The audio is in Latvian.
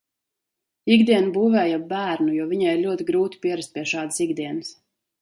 Ikdienu būvēju ap bērnu, jo viņai ir ļoti grūti pierast pie šādas ikdienas.